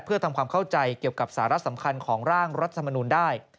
เพื่อทำความเข้าใจเกี่ยวกับสาระสำคัญของร่างรัฐมนูลได้